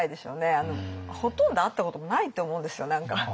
ほとんど会ったこともないって思うんですよ何か。